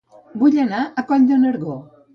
Vull anar a Coll de Nargó